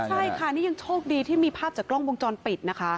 ใช่ค่ะนี่ยังโชคดีที่มีภาพจากกล้องวงจรปิดนะคะ